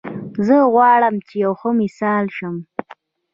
زه غواړم چې یو ښه مثال شم